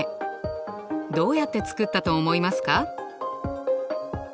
どうやって作ったと思いますか？